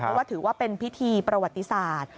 เพราะว่าถือว่าเป็นพิธีประวัติศาสตร์